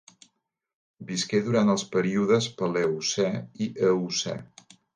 Visqué durant els períodes Paleocè i Eocè.